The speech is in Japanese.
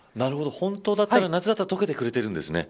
本当だったら、夏だったら溶けてくれてるんですね。